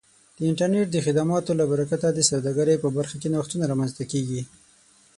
د انټرنیټ د خدماتو له برکت د سوداګرۍ په برخه کې نوښتونه رامنځته کیږي.